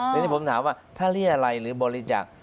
แล้วนี่ผมถามว่าถ้าเรียรัยอะไรหรือบริจาค